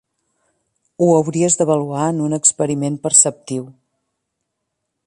Ho hauries d'avaluar en un experiment perceptiu.